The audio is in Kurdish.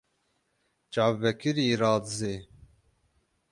Çav vekirî radizê.